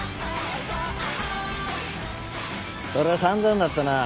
そりゃあ散々だったな。